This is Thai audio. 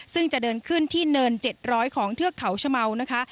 ซึ่งจะเดินขึ้นที่เนิน๗๐๐ของเทือกเขาชะเมานะคะ